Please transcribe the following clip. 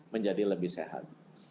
menjadi lebih sehat